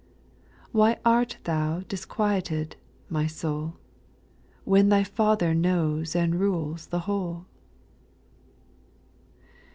Why art thou disquieted, my soul. When thy Father knows and rules the whole